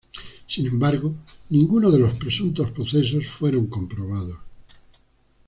Sin embargo ninguno de los presuntos procesos fueron comprobados.